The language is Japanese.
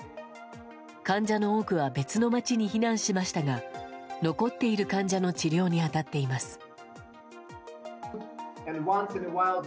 患者の多くは別の街に避難しましたが残っている患者の治療に当たっています。